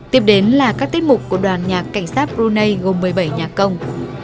tiếp đến là các tiết mục của đoàn nhạc cảnh sát brunei gồm một mươi bảy nhà công